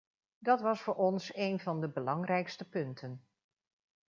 Dat was voor ons een van de belangrijkste punten.